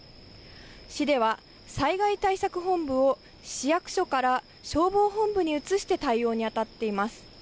市では、災害対策本部を市役所から消防本部に移して対応に当たっています。